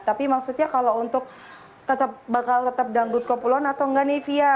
tapi maksudnya kalau untuk tetep bakal tetep dangdut koploan atau nggak nih fia